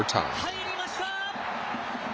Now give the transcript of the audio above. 入りました！